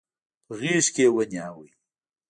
په غېږ کې يې ونيو.